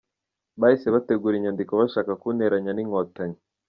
Bahise bategura inyandiko bashaka kunteranya n’Inkotanyi.